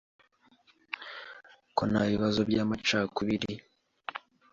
ko nta bibazo by’amacakubiri,